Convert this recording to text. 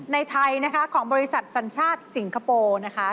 ไทยนะคะของบริษัทสัญชาติสิงคโปร์นะคะ